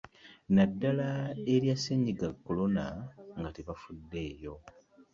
Naddala erya Ssennyiga Corona nga tebafuddeyo